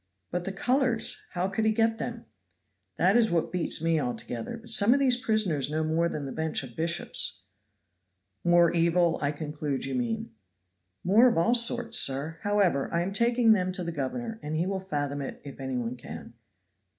"But the colors how could he get them?" "That is what beats me altogether; but some of these prisoners know more than the bench of bishops." "More evil, I conclude you mean?" "More of all sorts, sir. However, I am taking them to the governor, and he will fathom it, if any one can."